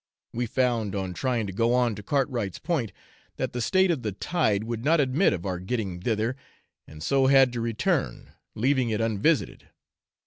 We found, on trying to go on to Cartwright's Point, that the state of the tide would not admit of our getting thither, and so had to return, leaving it unvisited.